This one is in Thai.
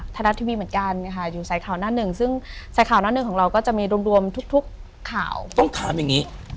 ธนาคต์ทีมีเหมือนกันค่ะอยู่ใส่ขะอน้านหนึ่งซึ่งสายปิเนิกของเราก็จะมีรวมทุกข่าวต้องถามอย่างนี้